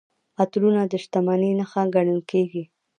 عطرونه د شتمنۍ نښه ګڼل کیږي.